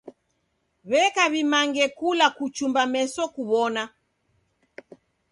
W'eka w'imange kula kuchumba meso kuw'ona.